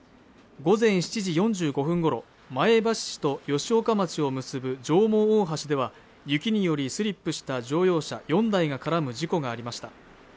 午前７時４５分ごろ前橋市と吉岡町を結ぶ上毛大橋では雪によるスリップした乗用車４台が絡む事故がありました